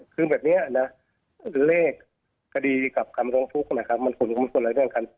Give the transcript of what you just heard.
คือแบบนี้นะเลขคดีกับคำร้องทุกข์ไว้ครับมันคุณคุณส่วนหลายด้วยอย่างค่ะ